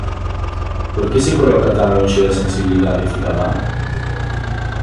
Por que se coloca tan lonxe da sensibilidade cidadá?